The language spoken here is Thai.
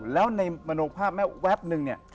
แล้วในมนุษยภาพแม่แว๊บหนึ่ง